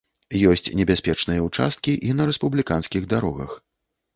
Ёсць небяспечныя ўчасткі і на рэспубліканскіх дарогах.